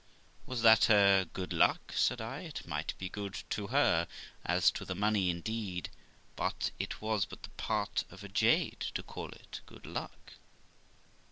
Was that her good luck?' said I; 'it might be good to her, as to the money indeed, but it was but the part of a jade to call it good luck.'